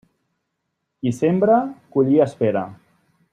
Qui sembra, collir espera.